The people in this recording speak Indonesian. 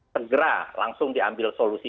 segera langsung diambil solusi